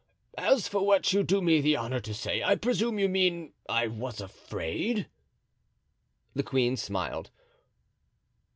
As for what you do me the honor to say, I presume you mean I was afraid?" The queen smiled.